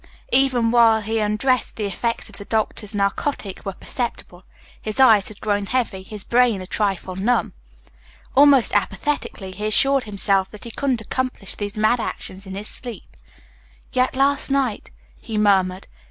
Even while he undressed the effects of the doctor's narcotic were perceptible. His eyes had grown heavy, his brain a trifle numb. Almost apathetically he assured himself that he couldn't accomplish these mad actions in his sleep. "Yet last night " he murmured.